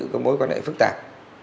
có mối quan hệ phức tạp